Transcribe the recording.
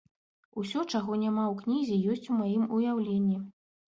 Усё, чаго няма ў кнізе, ёсць у маім уяўленні.